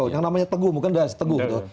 yang namanya teguh bukan das teguh gitu